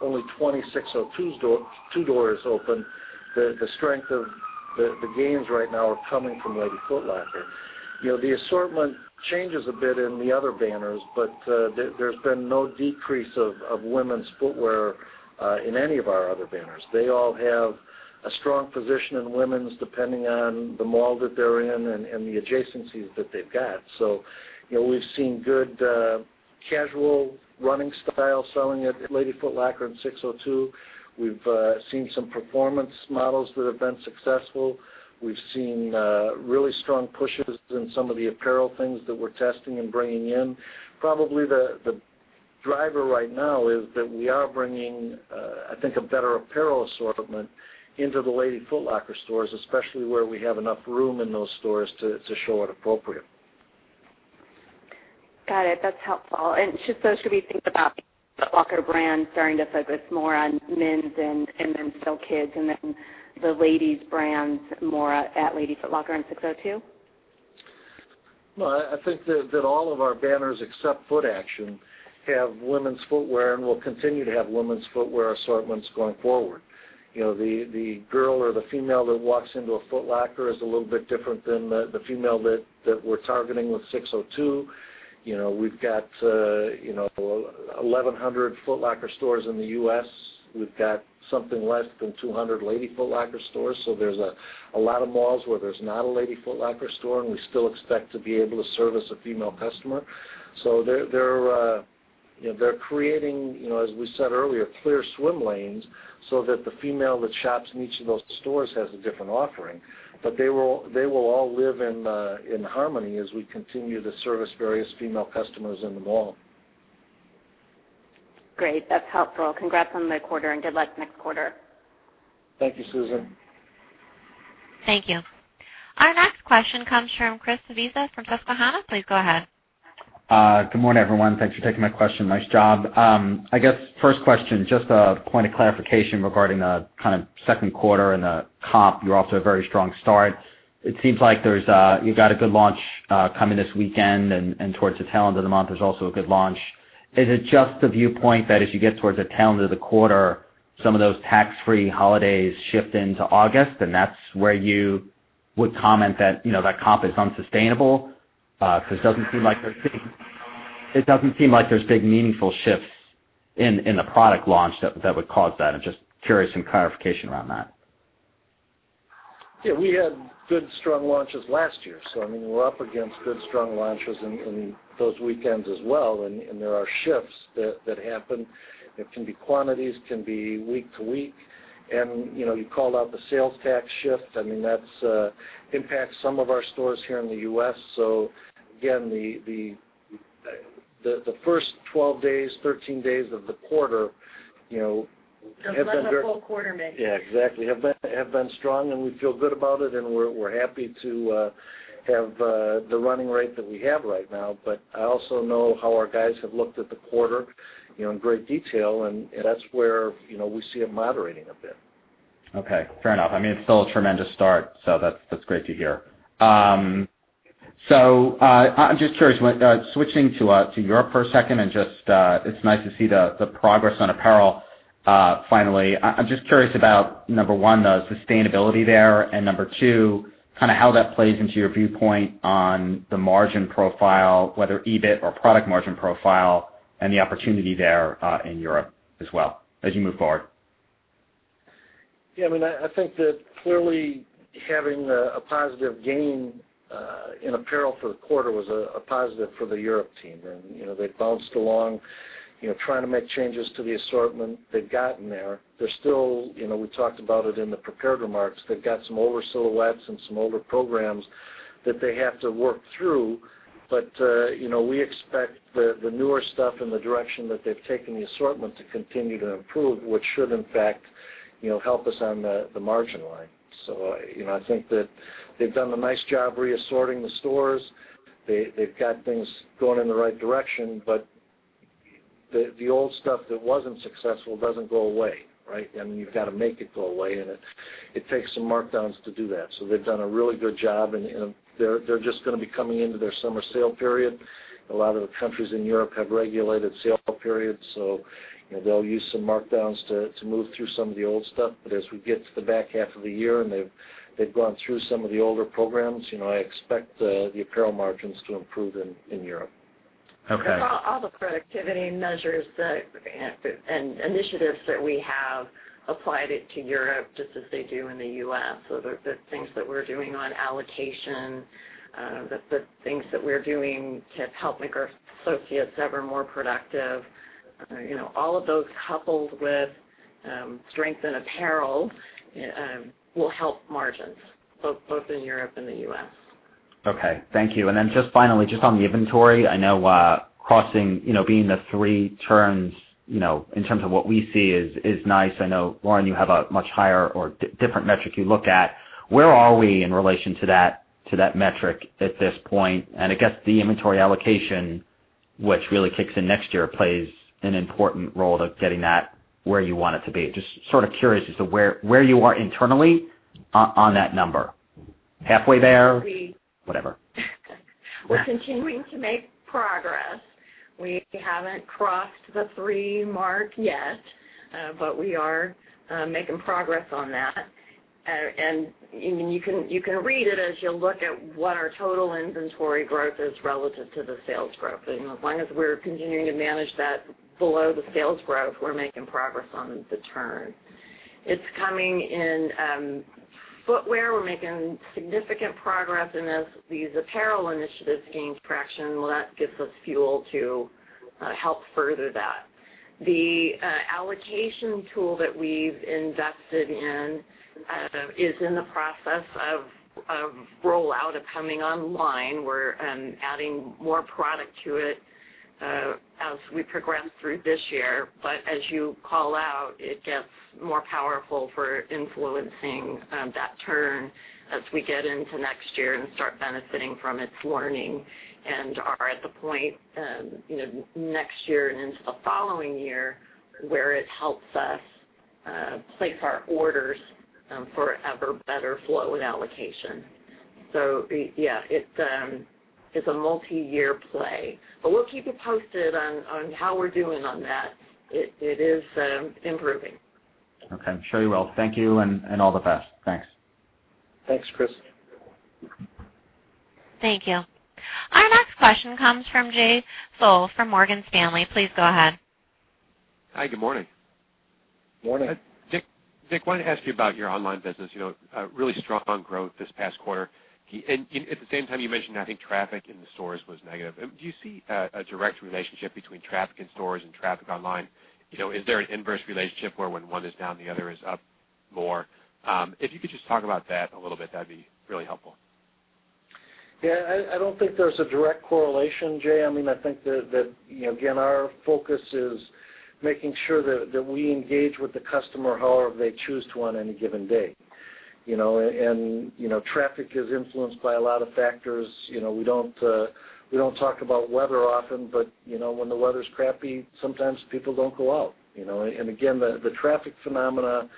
only 20 SIX:02 doors open, the strength of the gains right now are coming from Lady Foot Locker. The assortment changes a bit in the other banners, but there's been no decrease of women's footwear in any of our other banners. They all have a strong position in women's, depending on the mall that they're in and the adjacencies that they've got. We've seen good casual running style selling at Lady Foot Locker and SIX:02. We've seen some performance models that have been successful. We've seen really strong pushes in some of the apparel things that we're testing and bringing in. Probably the driver right now is that we are bringing, I think, a better apparel assortment into the Lady Foot Locker stores, especially where we have enough room in those stores to show it appropriately. Got it. That's helpful. Should we think about the Foot Locker brand starting to focus more on men's and then still kids, and then the ladies brands more at Lady Foot Locker and SIX:02? No, I think that all of our banners except Footaction have women's footwear and will continue to have women's footwear assortments going forward. The girl or the female that walks into a Foot Locker is a little bit different than the female that we're targeting with SIX:02. We've got 1,100 Foot Locker stores in the U.S. We've got something less than 200 Lady Foot Locker stores. There's a lot of malls where there's not a Lady Foot Locker store, and we still expect to be able to service a female customer. They're creating, as we said earlier, clear swim lanes so that the female that shops in each of those stores has a different offering. They will all live in harmony as we continue to service various female customers in the mall. Great. That's helpful. Congrats on the quarter, and good luck next quarter. Thank you, Susan. Thank you. Our next question comes from Chris Svezia from Susquehanna. Please go ahead. Good morning, everyone. Thanks for taking my question. Nice job. I guess, first question, just a point of clarification regarding the kind of second quarter and the comp. You are off to a very strong start. It seems like you have got a good launch coming this weekend, and towards the tail end of the month, there is also a good launch. Is it just the viewpoint that as you get towards the tail end of the quarter, some of those tax-free holidays shift into August, and that is where you would comment that comp is unsustainable? It doesn't seem like there is big meaningful shifts in the product launch that would cause that. I am just curious, some clarification around that. Yeah, we had good, strong launches last year. I mean, we are up against good, strong launches in those weekends as well, and there are shifts that happen. It can be quantities, can be week to week. You called out the sales tax shift. I mean, that impacts some of our stores here in the U.S. Again, the first 12 days, 13 days of the quarter. Those have a full quarter make. Yeah, exactly. Have been strong, we feel good about it, we're happy to have the running rate that we have right now. I also know how our guys have looked at the quarter in great detail, and that's where we see it moderating a bit. Okay. Fair enough. I mean, it's still a tremendous start, that's great to hear. I'm just curious, switching to Europe for a second, and just, it's nice to see the progress on apparel finally. I'm just curious about, number 1, the sustainability there, and number 2, kind of how that plays into your viewpoint on the margin profile, whether EBIT or product margin profile, and the opportunity there in Europe as well as you move forward. Yeah, I mean, I think that clearly having a positive gain in apparel for the quarter was a positive for the Europe team. They've bounced along, trying to make changes to the assortment. They've gotten there. We talked about it in the prepared remarks. They've got some older silhouettes and some older programs that they have to work through. We expect the newer stuff and the direction that they've taken the assortment to continue to improve, which should, in fact, help us on the margin line. I think that they've done a nice job re-assorting the stores. They've got things going in the right direction, but the old stuff that wasn't successful doesn't go away. Right? I mean, you've got to make it go away, and it takes some markdowns to do that. They've done a really good job, and they're just going to be coming into their summer sale period. A lot of the countries in Europe have regulated sale periods, so they'll use some markdowns to move through some of the old stuff. As we get to the back half of the year, and they've gone through some of the older programs, I expect the apparel margins to improve in Europe. Okay. All the productivity measures and initiatives that we have applied it to Europe, just as they do in the U.S. The things that we're doing on allocation, the things that we're doing to help make our associates ever more productive. All of those, coupled with strength in apparel, will help margins both in Europe and the U.S. Okay. Thank you. Just finally, just on the inventory, I know crossing, being the 3 turns, in terms of what we see is nice. I know, Lauren, you have a much higher or different metric you look at. Where are we in relation to that metric at this point? I guess the inventory allocation, which really kicks in next year, plays an important role to getting that where you want it to be. Just sort of curious as to where you are internally on that number. Halfway there? Whatever. We're continuing to make progress. We haven't crossed the three mark yet, but we are making progress on that. You can read it as you look at what our total inventory growth is relative to the sales growth. As long as we're continuing to manage that below the sales growth, we're making progress on the turn. It's coming in footwear. We're making significant progress, and as these apparel initiatives gain traction, well, that gives us fuel to help further that. The allocation tool that we've invested in is in the process of rollout, of coming online. We're adding more product to it as we progress through this year. As you call out, it gets more powerful for influencing that turn as we get into next year and start benefiting from its learning, and are at the point, next year and into the following year, where it helps us place our orders for ever better flow and allocation. Yeah, it's a multi-year play, but we'll keep you posted on how we're doing on that. It is improving. Okay. I'm sure you will. Thank you, and all the best. Thanks. Thanks, Chris. Thank you. Our next question comes from Jay Sole from Morgan Stanley. Please go ahead. Hi, good morning. Morning. Dick, wanted to ask you about your online business. Really strong growth this past quarter. At the same time, you mentioned, I think, traffic in the stores was negative. Do you see a direct relationship between traffic in stores and traffic online? Is there an inverse relationship where when one is down, the other is up more? If you could just talk about that a little bit, that'd be really helpful. Yeah, I don't think there's a direct correlation, Jay. I think that, again, our focus is making sure that we engage with the customer however they choose to on any given day. Traffic is influenced by a lot of factors. We don't talk about weather often, but when the weather's crappy, sometimes people don't go out. Again, the traffic phenomena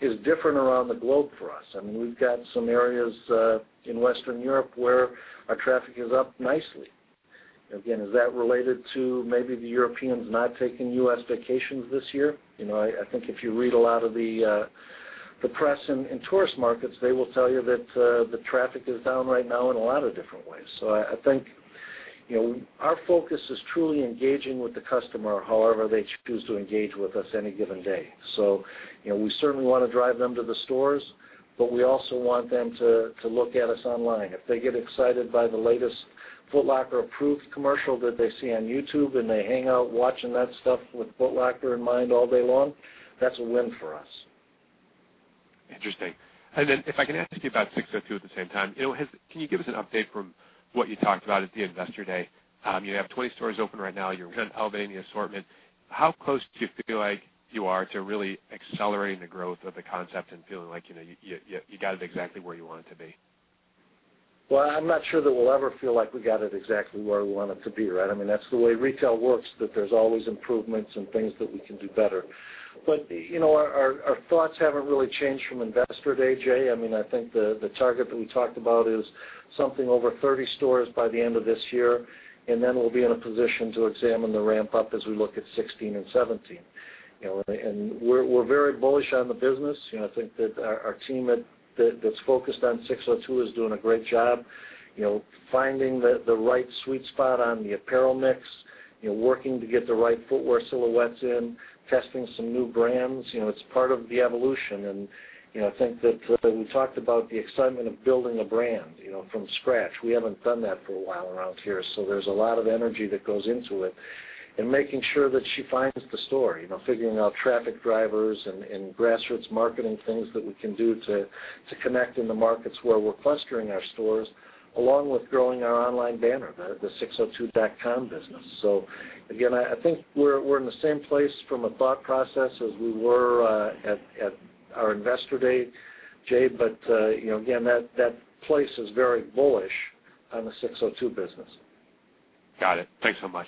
is different around the globe for us. We've got some areas in Western Europe where our traffic is up nicely. Again, is that related to maybe the Europeans not taking U.S. vacations this year? I think if you read a lot of the press in tourist markets, they will tell you that the traffic is down right now in a lot of different ways. I think our focus is truly engaging with the customer however they choose to engage with us any given day. We certainly want to drive them to the stores, but we also want them to look at us online. If they get excited by the latest Foot Locker Approved commercial that they see on YouTube, they hang out watching that stuff with Foot Locker in mind all day long, that's a win for us. Interesting. If I can ask you about SIX:02 at the same time. Can you give us an update from what you talked about at the Investor Day? You have 20 stores open right now. You're kind of elevating the assortment. How close do you feel like you are to really accelerating the growth of the concept and feeling like you got it exactly where you want it to be? Well, I'm not sure that we'll ever feel like we got it exactly where we want it to be, right? That's the way retail works, that there's always improvements and things that we can do better. Our thoughts haven't really changed from Investor Day, Jay. I think the target that we talked about is something over 30 stores by the end of this year, then we'll be in a position to examine the ramp up as we look at 2016 and 2017. We're very bullish on the business. I think that our team that's focused on SIX:02 is doing a great job. Finding the right sweet spot on the apparel mix, working to get the right footwear silhouettes in, testing some new brands. It's part of the evolution. I think that we talked about the excitement of building a brand from scratch. We haven't done that for a while around here, there's a lot of energy that goes into it. Making sure that she finds the store. Figuring out traffic drivers and grassroots marketing things that we can do to connect in the markets where we're clustering our stores, along with growing our online banner, the SIX02.com business. Again, I think we're in the same place from a thought process as we were at our Investor Day, Jay. Again, that place is very bullish on the SIX:02 business. Got it. Thanks so much.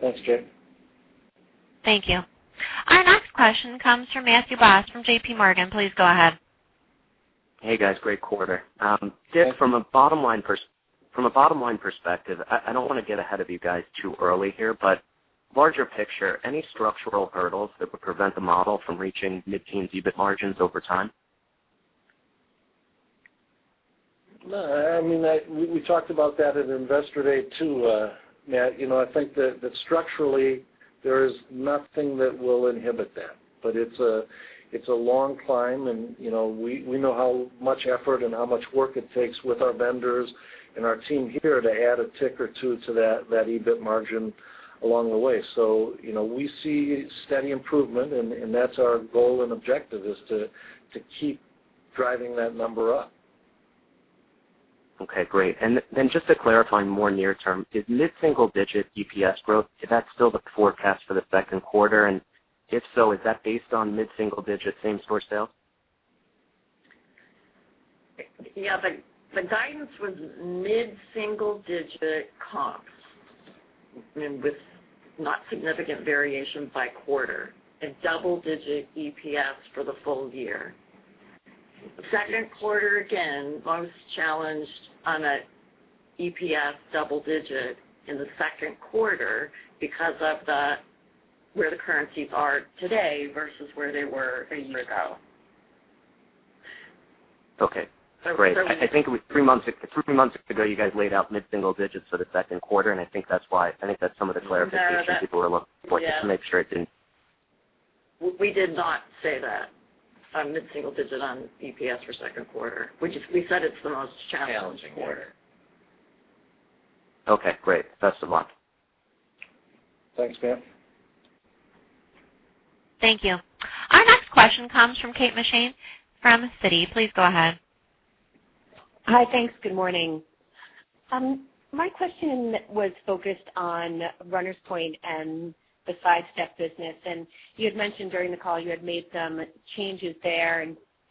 Thanks, Jay. Thank you. Our next question comes from Matthew Boss from JPMorgan. Please go ahead. Hey, guys. Great quarter. Thank you. Dick, from a bottom-line perspective, I don't want to get ahead of you guys too early here, but larger picture, any structural hurdles that would prevent the model from reaching mid-teen EBIT margins over time? No. We talked about that at Investor Day, too, Matt. I think that structurally, there is nothing that will inhibit that. It's a long climb, and we know how much effort and how much work it takes with our vendors and our team here to add a tick or two to that EBIT margin along the way. We see steady improvement, and that's our goal and objective is to keep driving that number up. Okay, great. Just to clarify more near term, is mid-single digit EPS growth, is that still the forecast for the second quarter? If so, is that based on mid-single digit same store sales? Yeah. The guidance was mid-single digit comps with not significant variation by quarter and double-digit EPS for the full year. Second quarter, again, most challenged on a EPS double digit in the second quarter because of where the currencies are today versus where they were a year ago. Okay, great. I think it was three months ago, you guys laid out mid-single digits for the second quarter, and I think that's some of the clarification- No. People were looking for to make sure it didn't We did not say that on mid-single digit on EPS for second quarter. We said it's the most challenging quarter. Okay, great. Best of luck. Thanks, Matt. Thank you. Our next question comes from Kate McShane from Citi. Please go ahead. Hi, thanks. Good morning. My question was focused on Runners Point and the Sidestep business. You had mentioned during the call you had made some changes there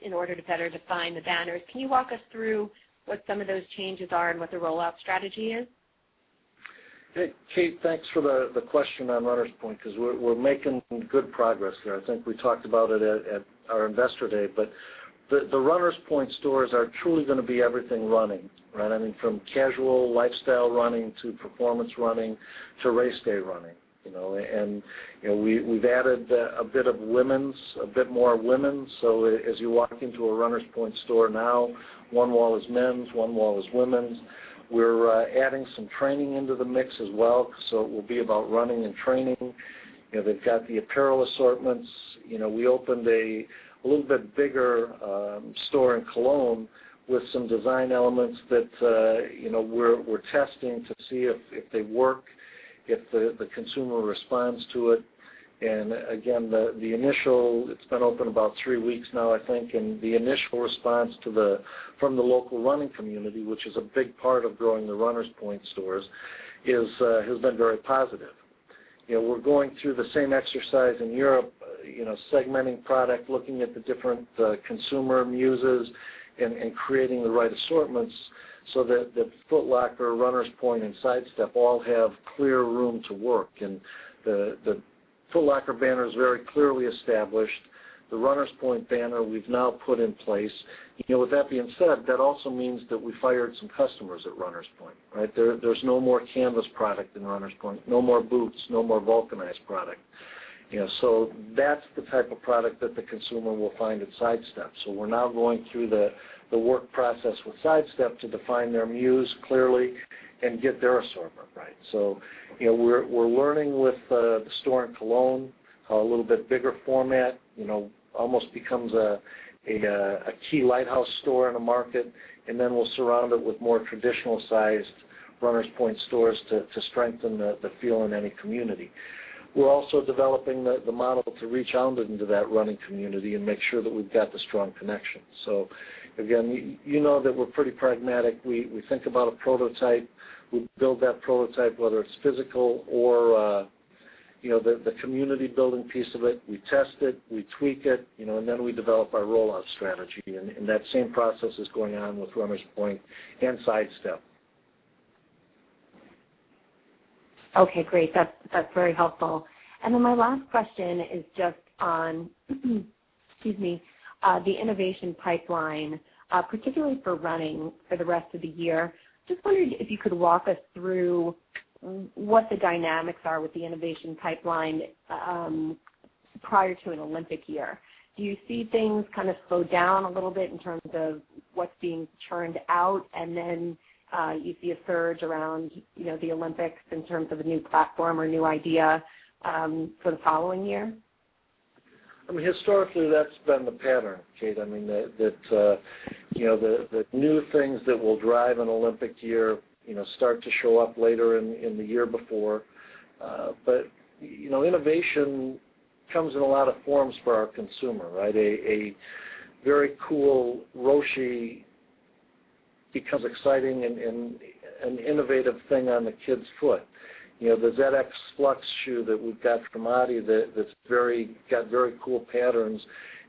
in order to better define the banners. Can you walk us through what some of those changes are and what the rollout strategy is? Hey, Kate, thanks for the question on Runners Point, because we're making good progress there. I think we talked about it at our investor day, the Runners Point stores are truly going to be everything running. I mean, from casual lifestyle running to performance running to race day running. We've added a bit more women's. As you walk into a Runners Point store now, one wall is men's, one wall is women's. We're adding some training into the mix as well, so it will be about running and training. They've got the apparel assortments. We opened a little bit bigger store in Cologne with some design elements that we're testing to see if they work, if the consumer responds to it. Again, it's been open about three weeks now, I think, the initial response from the local running community, which is a big part of growing the Runners Point stores, has been very positive. We're going through the same exercise in Europe, segmenting product, looking at the different consumer muses and creating the right assortments so that the Foot Locker, Runners Point and Sidestep all have clear room to work. The Foot Locker banner is very clearly established. The Runners Point banner, we've now put in place. With that being said, that also means that we fired some customers at Runners Point. There's no more canvas product in Runners Point, no more boots, no more vulcanized product. That's the type of product that the consumer will find at Sidestep. We're now going through the work process with Sidestep to define their muse clearly and get their assortment right. We're learning with the store in Cologne, a little bit bigger format, almost becomes a key lighthouse store in a market, and then we'll surround it with more traditional sized Runners Point stores to strengthen the feel in any community. We're also developing the model to reach out into that running community and make sure that we've got the strong connection. Again, you know that we're pretty pragmatic. We think about a prototype, we build that prototype, whether it's physical or the community building piece of it. We test it, we tweak it, and then we develop our rollout strategy. That same process is going on with Runners Point and Sidestep. Okay, great. That's very helpful. Then my last question is just on the innovation pipeline, particularly for running for the rest of the year. Just wondering if you could walk us through what the dynamics are with the innovation pipeline prior to an Olympic year. Do you see things kind of slow down a little bit in terms of what's being churned out? Then you see a surge around the Olympics in terms of a new platform or new idea for the following year? I mean, historically, that's been the pattern, Kate. I mean, the new things that will drive an Olympic year start to show up later in the year before. Innovation comes in a lot of forms for our consumer, right? A very cool Roshe becomes exciting and an innovative thing on the kids' foot. The ZX Flux shoe that we've got from adi that's got very cool patterns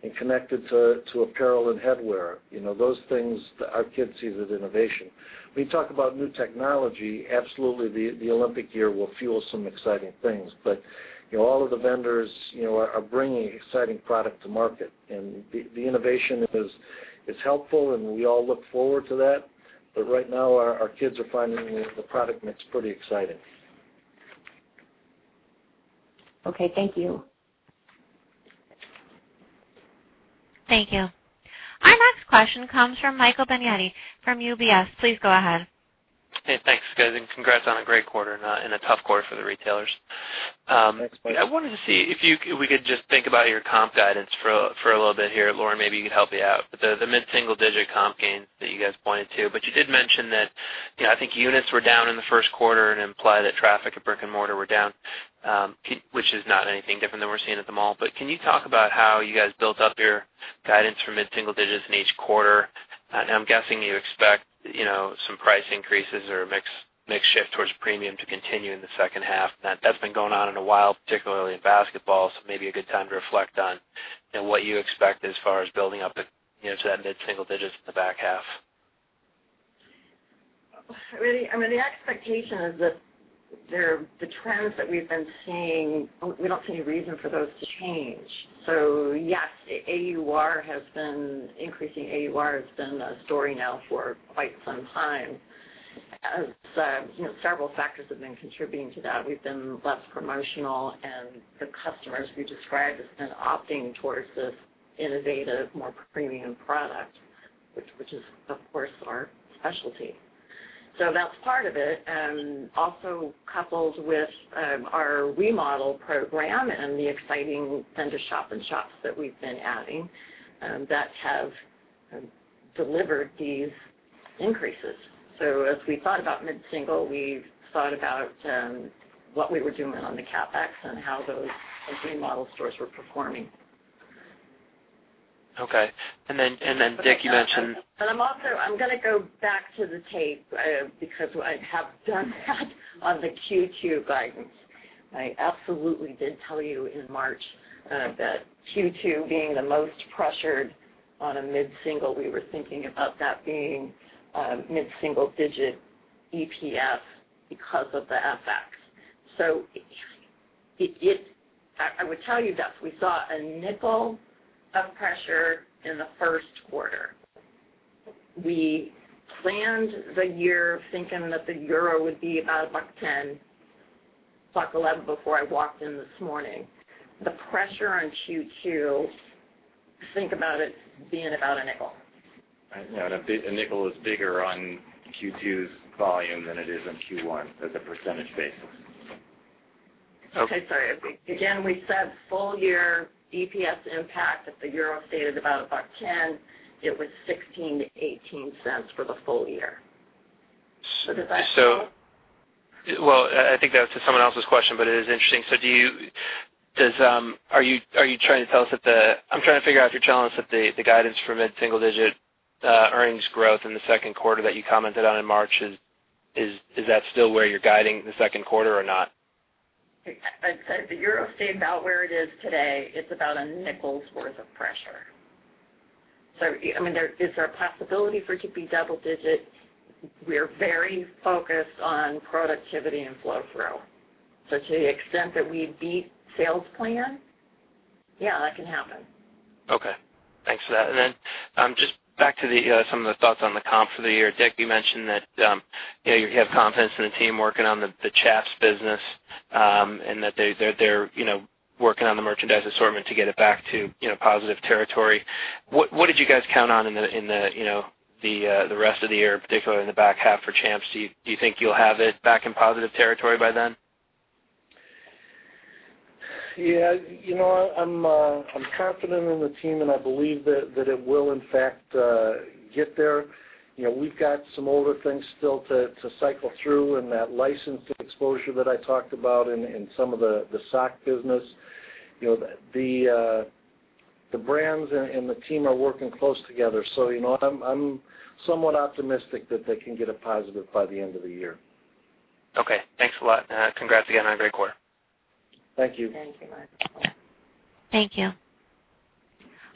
and connected to apparel and headwear. Those things our kids see as innovation. When you talk about new technology, absolutely the Olympic year will fuel some exciting things. All of the vendors are bringing exciting product to market, and the innovation is helpful and we all look forward to that. Right now, our kids are finding the product mix pretty exciting. Okay. Thank you. Thank you. Our next question comes from Michael Binetti from UBS. Please go ahead. Hey, thanks, guys, and congrats on a great quarter and a tough quarter for the retailers. Thanks, Mike. I wanted to see if we could just think about your comp guidance for a little bit here. Lauren, maybe you could help me out. The mid-single-digit comp gain that you guys pointed to, you did mention that, I think units were down in the first quarter and imply that traffic at brick and mortar were down, which is not anything different than we're seeing at the mall. Can you talk about how you guys built up your guidance for mid-single digits in each quarter? I'm guessing you expect some price increases or a mix shift towards premium to continue in the second half. That's been going on in a while, particularly in basketball. Maybe a good time to reflect on what you expect as far as building up to that mid-single digits in the back half. The expectation is that the trends that we've been seeing, we don't see any reason for those to change. Yes, AUR has been increasing. AUR has been a story now for quite some time. Several factors have been contributing to that. We've been less promotional and the customers we described have been opting towards this innovative, more premium product, which is, of course, our specialty. That's part of it. Also coupled with our remodel program and the exciting vendor shop and shops that we've been adding that have delivered these increases. As we thought about mid-single, we thought about what we were doing on the CapEx and how those remodel stores were performing. Dick, you mentioned- I'm going to go back to the tape because I have done that on the Q2 guidance I absolutely did tell you in March that Q2 being the most pressured on a mid-single, we were thinking about that being mid-single-digit EPS because of the FX. I would tell you that we saw $0.05 of pressure in the first quarter. We planned the year thinking that the euro would be about $1.10, $1.11 before I walked in this morning. The pressure on Q2, think about it being about $0.05. Right. Yeah. No, a $0.05 is bigger on Q2's volume than it is on Q1 as a percentage basis. Okay, sorry. Again, we said full year EPS impact, if the euro stayed at about 1.10, it was $0.16-$0.18 for the full year. Does that help? Well, I think that was to someone else's question, it is interesting. I'm trying to figure out if you're telling us that the guidance for mid-single digit earnings growth in the second quarter that you commented on in March, is that still where you're guiding the second quarter or not? If the euro stayed about where it is today, it's about a $0.05's worth of pressure. Is there a possibility for it to be double digit? We're very focused on productivity and flow-through. To the extent that we beat sales plan, yeah, that can happen. Okay. Thanks for that. Just back to some of the thoughts on the comp for the year. Dick, you mentioned that you have confidence in the team working on the Champs business, and that they're working on the merchandise assortment to get it back to positive territory. What did you guys count on in the rest of the year, particularly in the back half for Champs? Do you think you'll have it back in positive territory by then? Yeah. I'm confident in the team, and I believe that it will in fact, get there. We've got some older things still to cycle through in that licensed exposure that I talked about in some of the sock business. The brands and the team are working close together. I'm somewhat optimistic that they can get a positive by the end of the year. Okay. Thanks a lot, and congrats again on a great quarter. Thank you. Thank you, Mike. Thank you.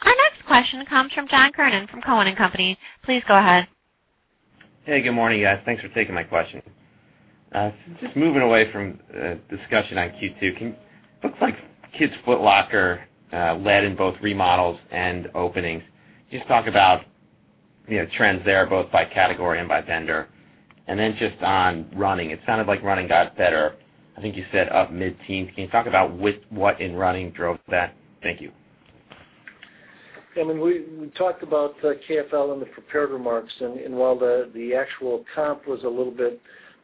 Our next question comes from John Kernan from Cowen and Company. Please go ahead. Hey, good morning, guys. Thanks for taking my question. Just moving away from discussion on Q2, looks like Kids Foot Locker led in both remodels and openings. Can you just talk about trends there, both by category and by vendor? Just on running, it sounded like running got better. I think you said up mid-teens. Can you talk about what in running drove that? Thank you. We talked about KFL in the prepared remarks, and while the actual comp was a little bit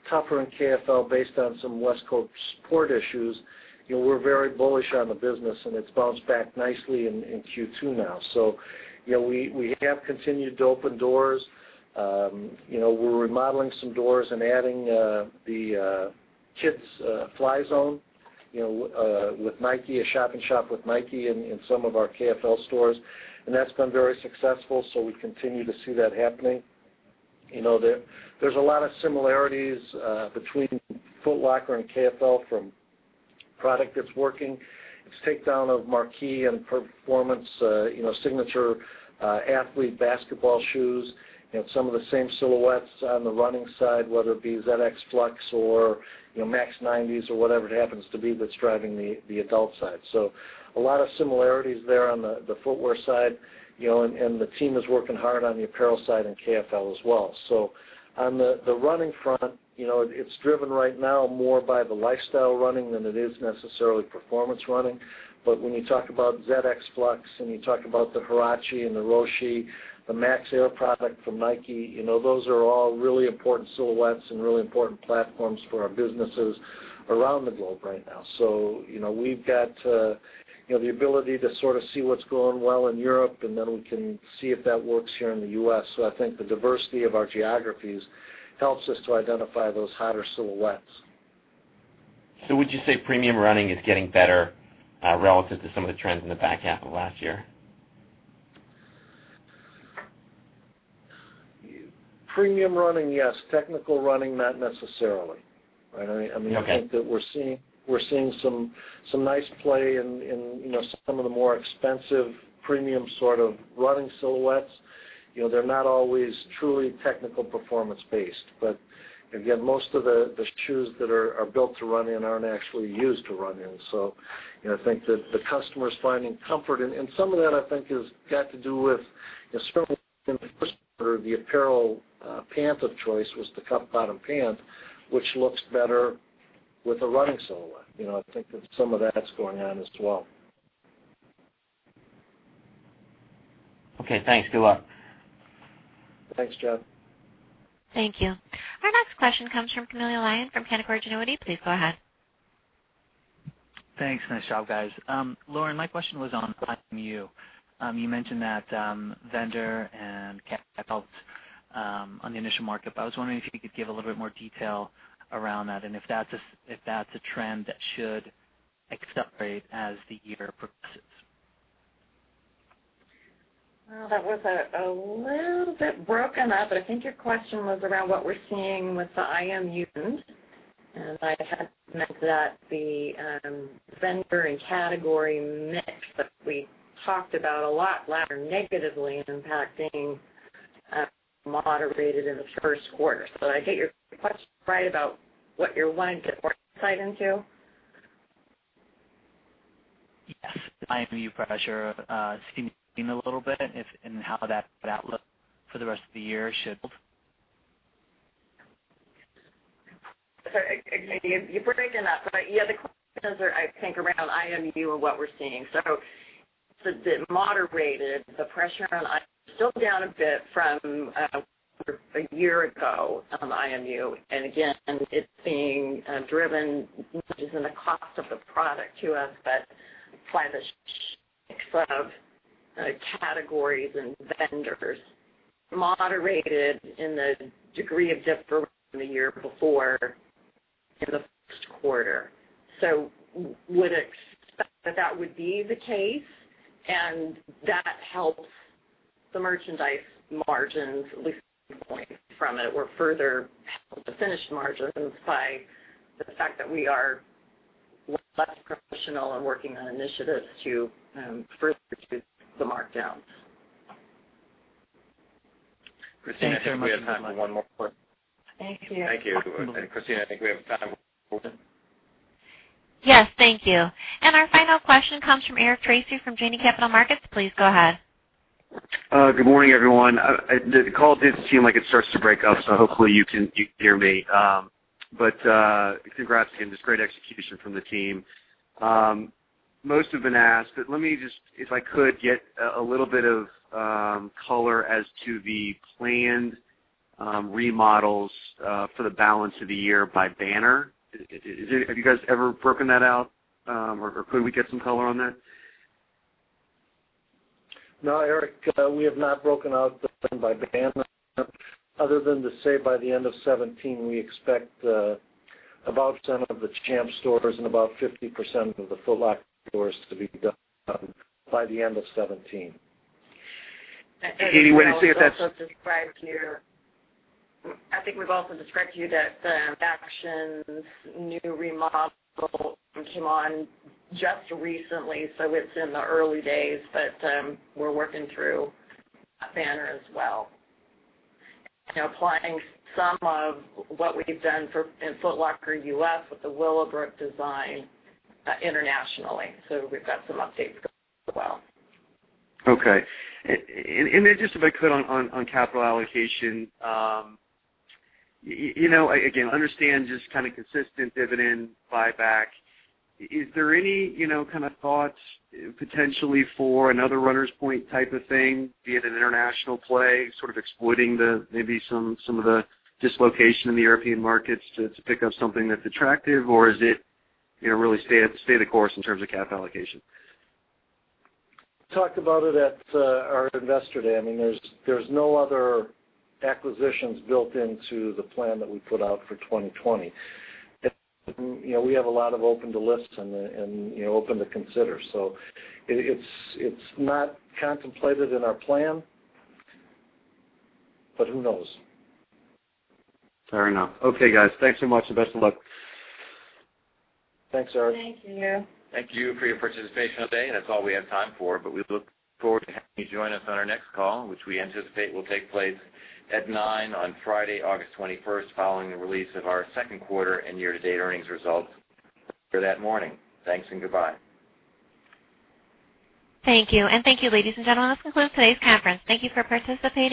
tougher in KFL based on some West Coast port issues, we're very bullish on the business, and it's bounced back nicely in Q2 now. We have continued to open doors. We're remodeling some doors and adding the Kids Fly Zone with Nike, a shop-in-shop with Nike in some of our KFL stores, and that's been very successful. We continue to see that happening. There's a lot of similarities between Foot Locker and KFL from product that's working. It's takedown of marquee and performance, signature athlete basketball shoes, and some of the same silhouettes on the running side, whether it be ZX Flux or Max 90s or whatever it happens to be that's driving the adult side. A lot of similarities there on the footwear side, and the team is working hard on the apparel side in KFL as well. On the running front, it's driven right now more by the lifestyle running than it is necessarily performance running. When you talk about ZX Flux and you talk about the Huarache and the Roshe, the Max Air product from Nike, those are all really important silhouettes and really important platforms for our businesses around the globe right now. We've got the ability to sort of see what's going well in Europe, and then we can see if that works here in the U.S. I think the diversity of our geographies helps us to identify those hotter silhouettes. Would you say premium running is getting better relative to some of the trends in the back half of last year? Premium running, yes. Technical running, not necessarily. Right. Okay. I think that we're seeing some nice play in some of the more expensive, premium sort of running silhouettes. They're not always truly technical, performance-based. Again, most of the shoes that are built to run in aren't actually used to run in. I think that the customer's finding comfort, and some of that I think has got to do with, especially the apparel pant of choice was the cuff-bottom pant, which looks better with a running silhouette. I think that some of that's going on as well. Okay, thanks. Good luck. Thanks, John. Thank you. Our next question comes from Camilo Lyon from Canaccord Genuity. Please go ahead. Thanks, and nice job, guys. Lauren, my question was on IMU. You mentioned that vendor and on the initial markup. I was wondering if you could give a little bit more detail around that, and if that's a trend that should accelerate as the year progresses. Well, that was a little bit broken up. I think your question was around what we're seeing with the IMU. I had meant that the vendor and category mix that we talked about a lot last year, negatively impacting, moderated in the first quarter. Did I get your question right about what you're wanting to get more insight into? Yes. The IMU pressure seeming a little bit, how that outlook for the rest of the year should. Sorry, you're breaking up, yeah, the questions are, I think, around IMU and what we're seeing. It moderated. The pressure on IMU is still down a bit from a year ago on IMU. Again, it's being driven, not just in the cost of the product to us, but by the mix of categories and vendors. Moderated in the degree of difference from the year before in the first quarter. We would expect that that would be the case, and that helps the merchandise margins, at least from this point from it. We're further helped the finished margins by the fact that we are less promotional and working on initiatives to further reduce the markdowns. Thank you very much. Christina, I think we have time for one more question. Thank you. Thank you. Christina, I think we have time for one more question. Yes. Thank you. Our final question comes from Eric Tracy from Janney Montgomery Scott. Please go ahead. Good morning, everyone. The call did seem like it starts to break up, so hopefully you can hear me. Congrats again, just great execution from the team. Most have been asked, but let me just, if I could, get a little bit of color as to the planned remodels for the balance of the year by banner. Have you guys ever broken that out, or could we get some color on that? No, Eric, we have not broken out the plan by banner, other than to say by the end of 2017, we expect about 10% of the Champs stores and about 50% of the Foot Locker stores to be done by the end of 2017. Any way to say if that's- Eric, I think we've also described to you that the Footaction new remodel came on just recently, so it's in the early days, but we're working through that banner as well. Applying some of what we've done in Foot Locker U.S. with the Willowbrook design internationally. We've got some updates going on as well. Okay. Just if I could, on capital allocation. Again, understand just kind of consistent dividend buyback. Is there any kind of thoughts potentially for another Runners Point type of thing, be it an international play, sort of exploiting maybe some of the dislocation in the European markets to pick up something that's attractive, or is it really stay the course in terms of cap allocation? Talked about it at our Investor Day. There's no other acquisitions built into the plan that we put out for 2020. We have a lot of open to lists and open to consider. It's not contemplated in our plan. Who knows? Fair enough. Okay, guys. Thanks so much and best of luck. Thanks, Eric. Thank you. Thank you for your participation today. That's all we have time for. We look forward to having you join us on our next call, which we anticipate will take place at 9:00 on Friday, August 21st, following the release of our second quarter and year-to-date earnings results for that morning. Thanks and goodbye. Thank you. Thank you, ladies and gentlemen. This concludes today's conference. Thank you for participating.